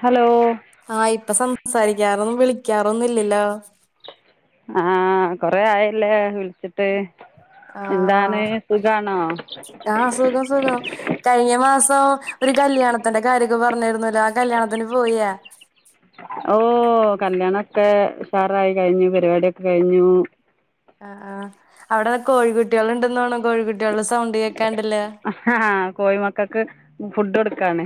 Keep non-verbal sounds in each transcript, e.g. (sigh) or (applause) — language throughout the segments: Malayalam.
ഹലോ ആഹ് ഇപ്പൊ സംസാരിക്കാറും വിളിക്കാറൊന്നും ഇല്ലല്ലോ ആഹ് കൊറേ ആയല്ലേ വിളിച്ചി ട്ട് എന്താണ് ആഹ് സുഖാണോ ആഹ് സുഖം സുഖം കഴിഞ്ഞ മാസം ഒരു കല്യാണത്തിന്റെ കാര്യൊക്കെ പറഞ്ഞിരുന്നല്ലോ കല്യാണത്തിന് പോയാ ഓഹ് കല്യാണൊക്കെ ഉഷാറായി കഴിഞ്ഞു പരിപാടിയൊക്കെ കഴിഞ്ഞു ആഹ് ആഹ് അവിടെ കോഴികുട്ട്യോള് ഇണ്ടെന്ന് തോന്നണ് കോഴികുട്ടികളുടെ സൗണ്ട് കേക്കാണ്ടില്ല ആഹാ കോഴി മക്കക്ക് ഫുഡ് കൊടുക്കാണ്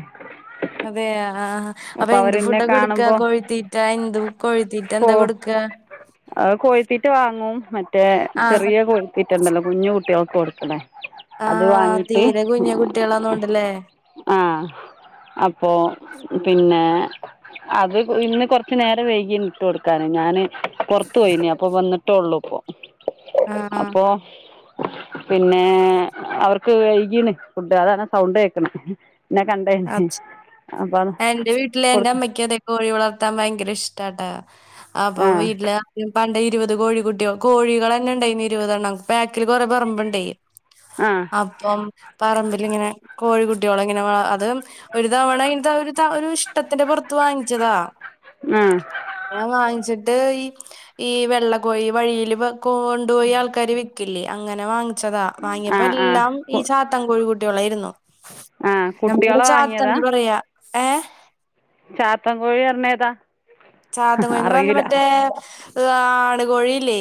അതെയാ ആഹ് അപ്പൊ എന്ത് അവരെന്നെ ഫുഡാ കൊടുക്കാ കാണുമ്പോ കോഴിത്തീറ്റാ എന്ത് കോഴിത്തീ കോ അത് കോഴത്തീറ്റ വാങ്ങും മറ്റേ ആഹ് ചെറിയ കോഴി ത്തീറ്റെണ്ടല്ലാ കുഞ്ഞു കുട്ടിയോൾക്ക് കൊടുക്കണെ അത് ആഹ് വാങ്ങീട്ട് തീരെ കുഞ്ഞു കുട്ടികളാന്നോണ്ടല്ലേ ആഹ് അപ്പോ പിന്നെ അത് ഇന്ന് കൊറച്ച് നേരം വൈകീന് ഇട്ട് കൊടുക്കാന് ഞാന് പൊറത്ത് പോയിനീ അപ്പൊ വന്നിട്ടോള്ളൂ ഇപ്പോ ആഹ് അപ്പോ പിന്നേ അവർക്ക് വൈകീണ് ഫുഡ് അതാണ് സൗണ്ട് കേക്കണെ എന്നെ കണ്ടേന് അച്ച് അപ്പൊ അത് എന്റെ വീട്ടില് എന്റെ കൊടുക്ക അമ്മയ്ക്കു അതെ കോഴി വളർത്താൻ ഭയങ്കര ഇഷ്ടാട്ടാ അപ്പൊ ആഹ് വീട്ടില് ആരും പണ്ട് ഇരുപത് കോഴി കുട്ട്യോ കോഴികൾ തന്നെ ഇണ്ടായിന്ന് ഇരുപതെണ്ണം ബാക്കിൽ കുറെ പറമ്പെണ്ടെ ആഹ് അപ്പം പറമ്പിലിങ്ങനെ കോഴിക്കുട്ടിയോളെ ഇങ്ങനെ വ അ തും ഒരു തവണ ഇതൊരു ഒരു ത ഒരു ഇഷ്ടത്തിന്റെ പൊറത്ത് വാങ്ങിച്ചതാ നാഹ് ഞാൻ വാങ്ങിച്ചിട്ട് ഈ ഈ വെള്ള കോഴി വഴിയില് വെ കോണ്ടു പോയി ആൾക്കാര് വിക്കില്ലേ അങ്ങനെ വാങ്ങ് ച്ചതാ വാങ്ങിയപ്പോ ആഹ് ആഹ് എല്ലാം കു ഈ ചാത്താം കോഴിക്കുട്ട്യോളായിരുന്നു. ആഹ് നമ്മള് കുട്ടിയോളെ വാങ്ങിയതാ ചാത്തന്ന് പറയാ ഏഹ് ചാത്തൻ കോഴി പറഞ്ഞാ ഏതാ? ചാത്തൻ കോഴീന്ന് പറഞ്ഞാ അറിയൂല മറ്റേ ഈഹ് ആണ് കോഴിയില്ലേ?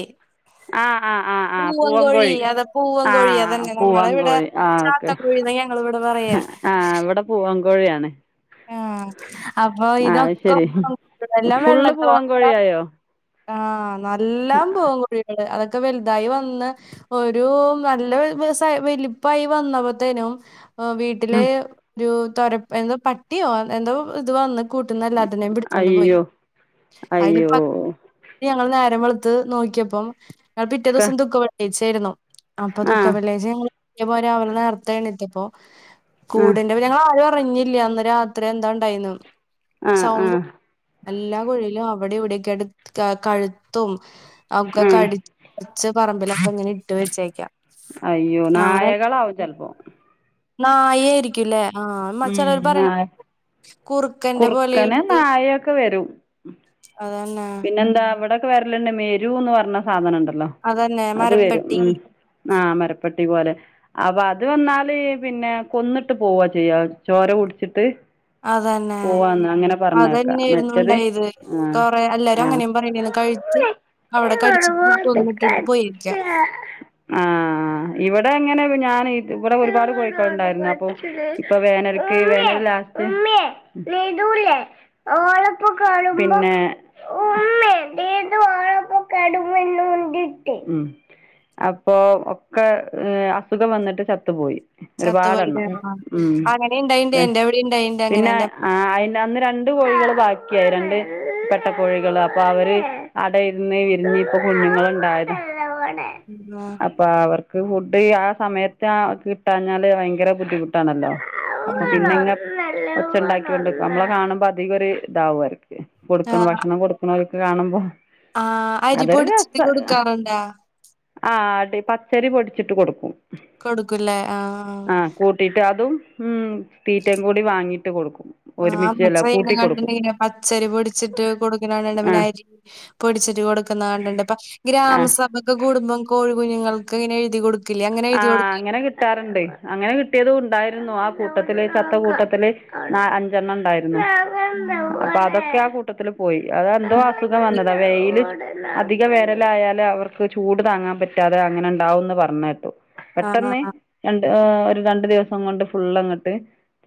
ആഹ് ആഹ് ആഹ് ആഹ് പൂവൻ കോഴി അത പൂവൻ കോഴി ആഹ് അതന്നെ നമ്മടെ പൂവൻ ഇവിടെ കോഴി ആഹ് ഓക്കെ ചാത്തൻ കോഴിന്ന ഞങ്ങള് ഇവിടെ പറയാ ആഹ് ഇവടെ പൂവൻ കോഴിയാണ് ഉം അപ്പൊ ഇതൊക്കെ ശരി എല്ലാം ഫുള്ള് വെള്ളക്കളറാ പൂവൻകോഴിയായോ (unintelligible) ആഹ് നല്ലാം പൂവൻ കോഴികള് അതൊക്കെ വെൽതായി വന്ന് ഒരു നല്ല (unintelligible) വലിപ്പായി വന്നപ്പത്തേനും എഹ് വീട്ടിലെ ഒരു തൊരപ്പ് എന്തോ പട്ടിയോ എന്തോ ഇത് വന്ന് കൂട്ട്ന്നെല്ലാത്തിനേയും പിടിച്ചോണ്ട് പോയി അയ്യോ അതില് അയ്യോ പത് തി ഞങ്ങള് നേരം വെളുത്ത് നോക്കിയപ്പം ഞങ്ങള് പിറ്റേ ക്ക ദിവസം ദുഃഖ വെള്ളിയാഴ്ച്ചായിരുന്നു അപ്പൊ ആഹ് ദുഖവെള്ളിയാഴ്ച ഞങ്ങൾ ഇഞ്ഞ് പോരാൻ അവിടുന്ന് നേരത്തെ എണീറ്റപ്പോ ആഹ് കൂടെ അപ്പ ഞങ്ങള് ആരും അറിഞ്ഞില്ല അന്ന് രാത്രി എന്താ ഇണ്ടായീന്ന് ആഹ് സൗണ്ടും ആഹ് എല്ലാ കോഴിയിലും അവിടെ ഇവിടെയൊക്കെ ആയിട്ട് കാ കഴുത്തും ഒക്കെ ആഹ് കടി ച്ച് പറമ്പിലൊക്കെ ഇങ്ങനെ ഇട്ട് വെച്ചേക്കാ അയ്യോ നായകളാവും ചെലപ്പോ നായയായിരിക്കൂല്ലേ ആഹ് മ ഉം ചെലോര് പറയണ് നായ കുറുക്കന്റെ പോലെ കുറുക്കന് ഇണ്ട് നായയൊക്കെ അത് തന്നെ എന്താ ഇവിടൊക്കെ വെരല് ണ്ട് മെരൂന്ന് പറഞ്ഞ സാധനണ്ടല്ലോ അതന്നെ അത് വെരും മരപ്പെട്ടി ഉം ആഹ് മരപ്പട്ടി പോലെ അപ്പൊ അത് വന്നാല് പിന്നെ കൊന്നിട്ട് പോവാ ചെയ്യാ ചോര കുടിച്ചിട്ട് അതന്നെ പോവാന്ന് അങ്ങനെ പറഞ്ഞേക്കാ മറ്റത് അതന്നെയായിരുന്നുണ്ടായത് ആഹ് കൊറേ അല്ലേ ആഹ് അങ്ങനെയും പറയ്ന്നെയാണ് കഴുത്ത് അവിടെ കടിച്ചിട്ട് കൊന്നിട്ടിട്ട് പോയിരിക്കാ ആഹ് ആഹ് ഇവിടെ അങ്ങനെ ഞാന് ഇവിടെ ഒരുപാട് കോഴിക്കള് ഇണ്ടായിര്ന്ന് അപ്പൊ ഇപ്പൊ വേനൽക്ക് വേനല് ലാ പിന്നെ (inaudible) കടുമന്ന (inaudible) ഉം അപ്പോ ഒക്കെ അസുഖം വന്നിട്ട് ചത്തു പോയി ചത്തുപോയി ല്ലേ ആഹ് അങ്ങനെ ഇണ്ടായിണ്ട് എൻ്റെ അവിടെയും ഇണ്ടായിണ്ട് അങ്ങനെ പിന്നെ എന്റെ ആഹ് അയിൻ അന്ന് രണ്ട് കോഴികള് ബാക്കിയായി രണ്ട് മുട്ട കോഴികള് അപ്പൊ അവര് അട ഇരുന്ന് വിരിഞ്ഞ് ഇപ്പൊ കുഞ്ഞുങ്ങളുണ്ടായത് ആഹ് അപ്പൊ അവർക്ക് ഫുഡ് ആ സമയത്ത് ആ കിട്ടാഞ്ഞാല് ഭയങ്കര ബുദ്ധിമുട്ട് ട്ടാണല്ലോ അപ്പോ പിന്നെ ഇങ്ങ് ഒച്ച ഇണ്ടാക്കി കൊണ്ട്ക്കും അമ്മളെ കാണുമ്പോ അധികം ഒരു ഇതാവു അവര്ക്ക് (unintelligible) ആഹ് ഭക്ഷണം കൊടുക്കുണോല്ക്ക് കാണുമ്പോ ആഹ് അരി പൊടിച്ചിട്ട് കൊടുക്കാറുണ്ടാ? ആഹ് ടി പച്ചരി പൊടിച്ചിട്ട് കൊടുക്കും കൊടുക്കൂലേ ആഹ് ആഹ് കൂട്ടിട്ട് അതും ഉം തീറ്റയും കൂടി വാങ്ങിട്ട് കൊടുക്കും ആഹ് ഒരുമിച്ച് അമ്മച്ചി അല്ല ചെയ്യണ കൂട്ടി കൊടുക്കും കണ്ടിണ്ട് ഇങ്ങനെ പച്ചരി പൊടിച്ചിട്ട് കൊടുക്കണ കണ്ട്ട്ട്ണ്ട് ആ പിന്നെ അരി പൊടിച്ചിട്ട് കൊടുക്കുന്ന കണ്ട്ണ്ട് ഇപ്പൊ ആ ഗ്രാമസഭക്കെ കൂടുമ്പം കോഴി കുഞ്ഞുങ്ങൾക്ക് ഇങ്ങനെ എഴുതി കൊടു ആഹ് അങ്ങനെ കിട്ടാറ്ണ്ടെ അങ്ങനെ കിട്ടിയത് ഉണ്ടായിരുന്നു ആ കൂട്ടത്തില് ചത്ത കൂട്ടത്തില് നാ അഞ്ചെണ്ണം ഉണ്ടായിരുന്നു അപ്പൊ അതൊക്കെ ആ കൂട്ടത്തില് പോയി അതെന്തോ അസുഖം വന്നതാ വെയില് അധികം വേനലായാല് അവർക്ക് ചൂട് താങ്ങാൻ പറ്റാതെ അങ്ങനെ ഇണ്ടാവൂന്ന് പറഞ്ഞ കേട്ടു ആഹ് പെട്ടെന്ന് ആഹ് രണ്ട് ഏഹ് ഒരു രണ്ട് ദിവസം കൊണ്ട് ഫുൾ അങ്ങട്ട്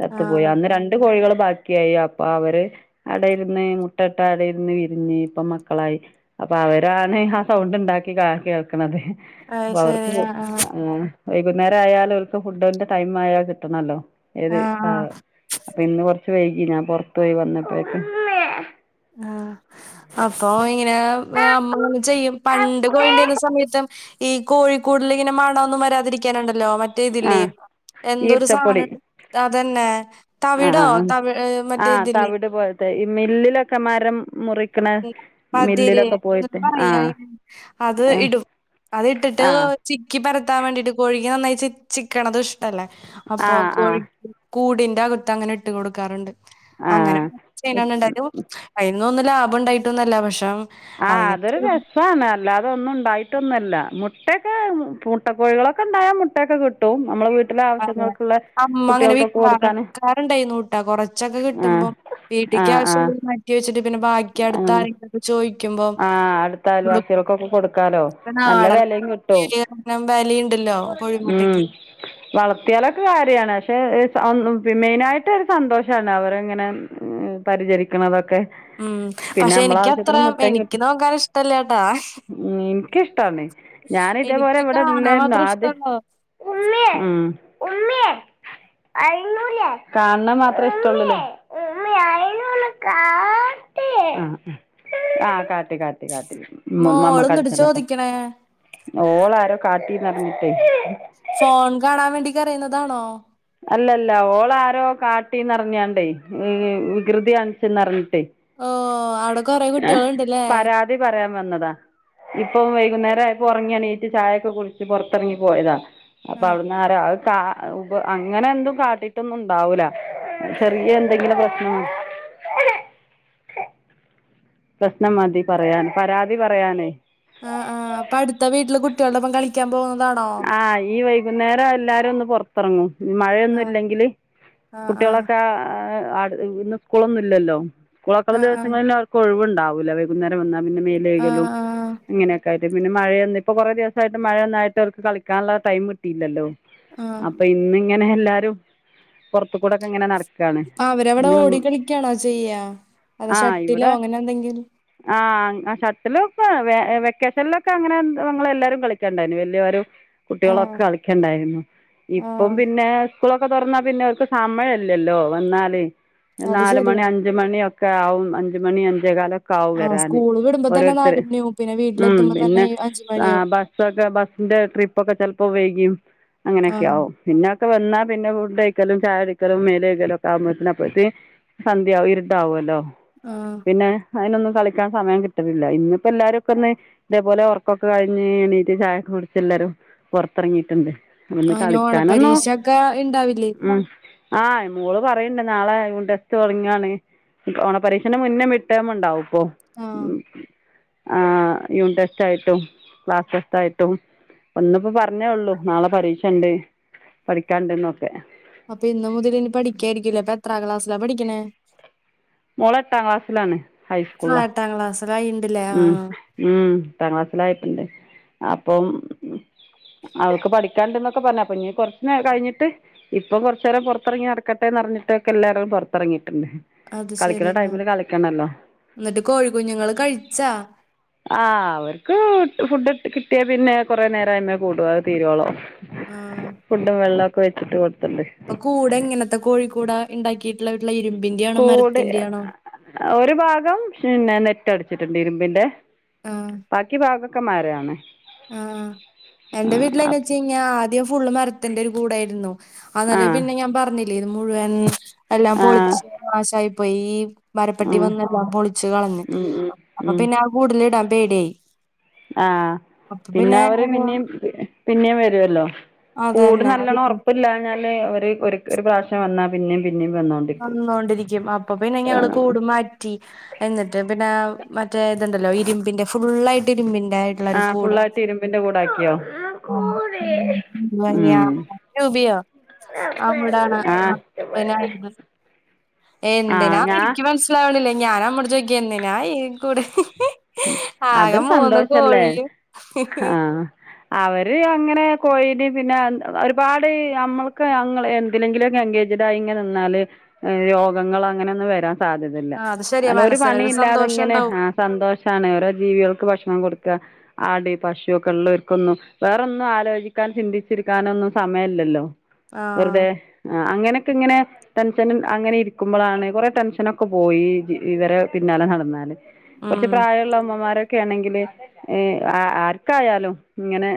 ചത്തു പോയി ആഹ് അന്ന് രണ്ട് രണ്ട് കോഴികള് ബാക്കിയായി അപ്പൊ അവര് അട ഇരുന്ന് മുട്ടയിട്ട് അടയിരുന്ന് വിരിഞ്ഞ് ഇപ്പ മക്കളായി അപ്പൊ അവരാണ് ആ സൗണ്ട് ഇണ്ടാക്കി കാ കേൾക്കണത് അയ് അപ്പൊ ശരി അവർക്ക് (unintelligible) ആഹ് ആഹ് ആ വൈകുന്നേരം ആയാലും അവർക്ക് ഫുഡിന്റെ ടൈം ആയാല് കിട്ടണല്ലോ ഏത് ആഹ് ആ പിന്നെ കൊറച്ച് വൈകി ഞാൻ പുറത്തു പോയി വന്നപ്പോഴേക്ക് ആഹ് അപ്പൊ ഇങ്ങനെ നമ്മള് ചെയ്യും പണ്ട് കോഴി ഉണ്ടാരുന്ന സമയത്തും ഈ കോഴിക്കൂടിൽ ഇങ്ങനെ മണമൊന്നും വരാതിരിക്കാനുണ്ടല്ലോ മറ്റേ ആ ഇതില്ലേ എന്തോരു ഈർച്ചപ്പൊടി സാധനം അതന്നെ തവിടോ ആഹ് തവി മറ്റേ ആഹ് ഇതില്ലേ തവിട് പോലത്തെ ഈ മില്ലിലൊക്കെ മരം മുറി പതിര് എന്താ പറയാ ആഹ് അത് ആഹ് ഇടും അത് ഇട്ടിട്ട് ആഹ് ചിക്കി പരത്താൻ വേണ്ടിട്ട് കോഴി നന്നായി ചി ചിക്കണതും ഇഷ്ടല്ലേ അപ്പോ ആഹ് ആഹ് കോഴി കൂടിന്റെ അകത്ത് അങ്ങനെ ഇട്ട് കൊടുക്കാറുണ്ട് അങ്ങനെ ആഹ് ചെയ്യുന്ന ഇണ്ടായും അയിന്നൊന്നും ലാഭം ഉണ്ടായിട്ട് ഒന്നുമല്ല പക്ഷെ ആഹ് അതിങ്ങനെ അതൊരു ചെയ്ത് രസാണ് അല്ലാതെ ഒന്നും ഉണ്ടായിട്ടൊന്നും അല്ല മുട്ടയൊക്കെ മുട്ടക്കോഴികളൊക്കെ ഉണ്ടായാൽ മുട്ടയൊക്കെ കിട്ടും നമ്മളെ വീട്ടിലെ അതെ ആവശ്യങ്ങൾക്കുള്ള അമ്മ അങ്ങനെ കുട്ടികൾക്കൊക്കെ വിക്കാറ് കൊടുക്കാന് വിക്കാറുണ്ടായിരുന്നുട്ടാ കുറച്ചൊക്കെ ആഹ് കിട്ടുമ്പോ വീട്ടിക്ക് ആഹ് ആഹ് ആവശ്യതി മാറ്റി വെച്ചിട്ട് പിന്നെ ബാക്കി അടുത്ത ആഹ് ആരെങ്ങിലും ചോദിക്കുമ്പോ ആഹ് അടുത്ത അയൽവാസികൾക്കൊക്കെ കൊടുക്കാലോ നല്ല കൊടുകുംനാടൻ വെലയും കിട്ടും (unintelligible) ഉണ്ടല്ലോ ഉം കോഴിമുട്ടയ്ക്ക് വളർത്തിയാലൊക്കെ കാര്യാണ് പക്ഷെ മെയിൻ ആയിട്ട് ഒരു സന്തോഷാണ് അവരെ ഇങ്ങനെ മ്മ് പരിചരിക്കണതൊക്കെ ഉം പിന്നെ പക്ഷെ നമ്മളെ എനിക്കത്ര ആവശ്യത്തിന് മുട്ടയും എനിക്ക് കിട്ടും നോക്കാൻ ഇഷ്ടല്ല ട്ടാ ഉം എനിക്കിഷ്ടാണ് ഞാൻ ഇതേപോലെ എനിക്ക് ഇവിടെ കാണാൻ ഇല്ലായിരുന്നു മാത്രം ഇഷ്ടാ ആദ്യം ആഹ് ഉം ഉമ്മേ ഉമ്മേ കാണത് മാത്രേ ഇഷ്ടമുള്ളു ആയി നൊന്ന് കാട്ട് അ അ കാട്ട് കാട്ട് ഇമ്മമ മോള് എന്നിട്ട് അടിച്ചണട്ടൊ ചോദിക്കണേ ഓള് ആരോ കാട്ടീന്നറിഞ്ഞിട്ടേ ഫോൺ കാണാൻ വേണ്ടി കരയുന്നതാണോ? അല്ലല്ല ഓളാരോ കാട്ടീന്നറിഞ്ഞാണ്ടെ മവികൃതി കാണിച്ചന്നറിഞ്ഞിട്ടേ ഓഹ് ആട അഹ് പരാതി പറയാൻ വന്നതാ ഇപ്പൊ വൈകുന്നേരം ആയപ്പോ ഒറങ്ങിയെണീറ്റ് ചായൊക്ക കുടിച്ച് പൊറത്തെറങ്ങി പോയതാ അപ്പ ആ അവിടുന്നാര അത് കാ ഉ അങ്ങന എന്തും കാട്ടീട്ടൊന്നും ഉണ്ടാവൂല ചെറിയ എന്തെങ്കിലും പ്രശ്നോ പ്രശ്നം മതി പറയാൻ പരാതി പറയാനേ ആഹ് ആഹ് അപ്പടുത്ത വീട്ടില് കുട്ടികൾടൊപ്പം കളി ക്കാൻ പോവുന്ന ആഹ് ഈ വൈകുന്നേരം എല്ലാരും ഒന്ന് പൊറ തൊറങ്ങും മ്മ് ആ മഴയൊന്നുല്ലെങ്കില് ആ ആ കുട്ടികളക്ക ആഹ് ആട് ഇന്ന് സ്കൂളൊന്നുയില്ലല്ലോ സ്കൂളക്കള്ള ആ ദിവസങ്ങളില് അവർക്ക് ഒഴിവുണ്ടാവൂല അവ കുന്നേര വന്നാ പിന്നെ മേല് ആ ആ കഴുകലും ഇങ്ങനെയൊക്കായിട്ട് പിന്നെ മഴയൊന്ന് ഇപ്പൊ കൊറെ ദിവസായിട്ട് മഴയൊന്നായി ട്ട് അവർക്ക് കളിക്കാനുള്ള ടൈമ് കിട്ടീലല്ലോ ആ അപ്പ ഇന്ന് ഇങ്ങനെ എല്ലാരും പൊറത്തുകൂടക്ക ഇങ്ങനെ നട അവരവിട ഓടി കളിക്കാണോ ചെയ്യാ അതാ ഷട്ടിലോ അങ്ങനെ എന്തെങ്കിൽ ആഹ് അഹ് ഷട്ടിലും ഇപ്പ വെ ഏഹ് വെക്കേഷനിലൊക്ക അങ്ങന ഞങ്ങളെല്ലാരും കളിക്കണ്ടായിന് വല്യോ രും ആ കുട്ടികളൊ കളിക്കണ്ടായിന്നു ആ ഇപ്പം പിന്നെ സ്കൂളൊക്കെ തൊറന്നാ പിന്നെ ഓർക്ക് സമയല്ലല്ലോ വന്നാല് അത് ശരിയാ നാലുമണി അ അഞ്ച് മണിയയൊക്കാവും അഞ്ച് മണി അഞ്ചേ കാല ക്കാവും ആ വരാന് സ്കൂള് വിടുമ്പോ തന്നെ ഓരോരുത്തര് നാല് മണിയാവും പിന്നെ ഉം വീട്ടിലെത്തുമ്പോ തന്നെ പിന്നെ അഞ്ച് മണിയാവും ആഹ് ബ പ്പതാ ബസ്സിന്റെ ട്രിപ്പൊക്കെ ചെലപ്പോ വൈകിയും ആ അങ്ങനെയൊക്കെയാവും പിന്നോക്ക വന്നാ പിന്ന ഫുഡ്‌ കഴിക്കലും ചായകുടിക്കലും മേല് കഴുകലും ഒക്ക ആവുമ്പോഴ്‌ത്തന് അപ്പോഴ്‌ത്തെ സന്ധ്യയാവും ഇരുട്ടാവുവല്ലോ ആഹ് പിന്നെ അതിനൊന്നും കളിക്കാൻ സമയം കിട്ടുന്നില്ല ഇന്നിപ്പ എല്ലാരുക്കെന്ന് ഇതേപോലെ ഒറക്കോക്ക കഴിഞ്ഞ് എണീട്ട് ചായേക്ക കുടിച്ച് എല്ലാരും പൊറത്തെറങ്ങീട്ടുണ്ട് ഒന്ന് അതിന് കളിക്കാനൊന്നും ഓണപ്പരീക്ഷ ഒക്കെ ഇണ്ടാവില്ലേ ഉം ആഹ് മോള് പറയണ്ട് നാളെ യൂണിറ്റ് ടെസ്റ്റ് തൊടങ്ങിയാണ് ഓണപരീക്ഷേന്റെ മുന്നേ മിഡ്ടേം ഉണ്ടാവും പ്പോ ആ മ്മ് ആഹ് യൂണിറ്റ് ടെസ്റ്റായിട്ടും ക്ലാസ് ടെസ്റ്റായിട്ടും ഒന്ന്പ്പോ പറഞ്ഞേ ഉള്ളൂ നാള പരീക്ഷണ്ട് പഠിക്കാണ്ട്ന്നൊക്കെ അപ്പൊ ഇന്ന് മുതലിനി പഠിക്കായിരിക്കില്ലേ അപ്പൊ എത്രാം ക്ലാസിലാ പഠിക്കണേ മോളെട്ടാം ക്ലാസ്സിലാണ് ഹൈസ്കൂള്ലാ ലായിണ്ടല്ലെ ആഹ് ആഹ് മ്മ് എട്ടാം ക്ലാസ്സിലായിട്ടുണ്ട് അപ്പം അവൾക്ക് പഠിക്കാണ്ട്ന്നൊക്ക പറഞ്ഞ പിന്നെ കൊറച്ച് നേരം കഴിഞ്ഞിട്ട് ഇപ്പൊ കൊറച്ച് നേരം പൊറത്തെറങ്ങി നടക്കട്ടേന്ന് പറഞ്ഞിട്ടൊക്കെ എല്ലാരും പൊറത്തെറങ്ങീട്ടുണ്ട് അത് ശെരി ആഹ് എന്നിട്ട് കോഴി കുഞ്ഞുങ്ങള് കഴിച്ചാ ആഹ് അവർക്ക് ഫുഡ് കിട്ടിയാ പിന്നെ കൊറെ നേരായിമേ കൂടു അത് തീരുവോളു ആഹ് ഫുഡും വെള്ളവൊക്ക വെച്ചിട്ട് കൊടുത്തുണ്ട് പ്പ കൂടെങ്ങനത്ത കോഴി കൂടാ ഇണ്ടാക്കിയിട്ടുള്ള വീട്ടില് ഇരുമ്പിന്റെയാണോ മരത്തിന്റെയാണോ ആഹ് ഒരു ഭാഗം പിന്നെ നെറ്റടിച്ചിട്ടുണ്ട് ഇരുമ്പിന്റെ ആ ബാക്കി ഭാഗം ക്ക മരാണ് ആഹ് ആ എന്റെ ആ വീട്ടിലന്നെച്ചഞ്ഞ ആദ്യം ഫുള്ള് മരത്തിന്റെ ഒരു കൂടായിയിരുന്നു ആ അന്നലെ പിന്നെ ഞാൻ പറഞ്ഞി് ത് മുഴുവൻ എല്ലാം ആ പൊളിച്ച് നാശായി പോയി മരപ്പെട്ടി ആ വന്നെല്ലാം പൊളിച്ചു കളഞ്ഞ് ഉം ഉം അപ്പൊ ഉം പിന്നെ ആ കൂട്ല് ഇടാൻ പേടിയായി ആഹ അപ്പൊ പിന്നെ അവര് ഏഹ്, പിന്നേം പിന്നെയും വരുവല്ലോ കൂട് അതന്നെ നല്ലോണം പിന്നെ ഉറപ്പില്ലാഞ്ഞാ ളെ ഒരു പ്രാവശ്യം വന്നാൽ പിന്നെ പിന്നേം വന്നോളു വന്നോണ്ടിരിക്കും അപ്പൊ പിന്നെ ഞങ്ങള് കൂടു മാറ്റ റ്റി എന്നിട്ട് പിന്നെ മറ്റേ ത്ണ്ടല്ലോ ഇരുമ്പിന്റെ ഫുള്ളായിട്ട് ഇരുമ്പിൻ ആ ഫുള്ളായിട്ട് ഇരുമ്പിന്റെ കൂടാക്കിയോ ആ ഉം (unintelligible) ആ അവിടാണ് ആഹ് ആ പിന്നയ്ൻറ ആഹ് എന്തിനാ ഞാ എനിക്ക് മനസ്സിലാവണില്ല ഞാനമ്മോട് ചോയ്ക്ക എന്തിനാ ഈ കൂട് ഹ് ആകെ അതൊരു മൂന്ന് സന്തോഷല്ലേ കോഴിം ഹ് ഹ് ആഹ് അവര് അങ്ങനെ കോഴിടിം പിന്നെ ഒരുപാട് നമ്മള്ക്ക് അങ്ങനെ എന്തിലെങ്കിലുക്കെ എങ്കേജ് ടായി നിന്നാല് രോഗങ്ങൾ അങ്ങനെ ഒന്നും വരാൻ സാധ്യത ഇല്ല ആ അത് ശരിയാ ഒരു പണി മനസ്സിനൊരു ഇല്ലാതെ സന്തോഷം ഇങ്ങനെ ഉണ്ടാവും ആ സന്തോഷമാണ് ഓരോ ജീവികൾക്ക് ഭക്ഷണം കൊടുക്ക ആട് പശുവൊക്കോള്ളോർക്കൊന്നും വേറൊന്നും ആലോചിക്കാൻ ചിന്തിച്ചിരിക്കാനൊന്നും സമയല്ലല്ലോ ആ വെറുതെ ആ അങ്ങനെയൊക്കെങ്ങനെ ടെൻഷൻ അങ്ങനെ ഇരിക്കുമ്പോഴാണ് കൊറെ ടെൻഷനൊക്കെ പോയി ഇവരെ പിന്നാലെ നടന്നാല് ഈ ഉം പ്രായമുള്ള അമ്മമാരൊക്കെണെങ്കില് ഏ ആർക്കായാലും ഇങ്ങനെ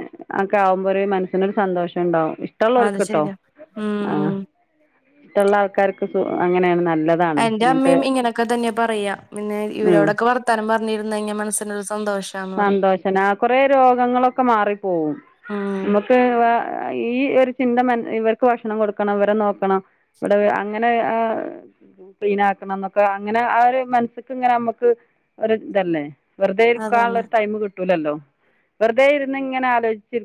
ക്കെ ആകുമ്പോ ഒരു മനസ്സിനൊരു സന്തോഷണ്ടാവും അത് ഇഷ്ടള്ളോൽക്ക് ട്ടോ ശരിയാ ഉം ആ ഉം ഇഷ്ടള്ളാ ൾക്കാർക്ക് സു അങ്ങനെയാണ് നല്ലത് എന്റെ അമ്മേം ഇങ്ങനെയൊക്കെ തന്നെ പറയാ പിന്നെ ഉം ഇവരോടൊക്കെ വർ ത്താനം പറഞ്ഞിരുന്നയ്ഞ്ഞാ മനസ്സിനൊരു സന്തോഷം സന്തോഷന്നെ ആ കുറേ രോഗങ്ങളൊക്കെ മാറിപ്പോവും ഉം മക്ക് ഈ ഒരു ചിന്ത മനസി ഇവർക്ക് ഭക്ഷണം കൊടുക്കണം ഇവരെ നോക്കണം ഇവിടെ അങ്ങനെ ആ ക്ലീനാക്കണം എന്നൊക്കെ അങ്ങനെ ആ ഒരു മനസ്ക്ക് ഇങ്ങനെ നമ്മക്ക് ഒരു ഇതല്ലേ വെറ്തെ ക്കാനുള്ള അതന്നെ ഒരു ടൈമ് കിട്ടൂലല്ലോ വെറുതെ ഇരുന്ന് ഇങ്ങനെ ആലോചിച്ചിരി